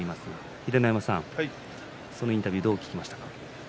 秀ノ山さんインタビューどう聞きましたか？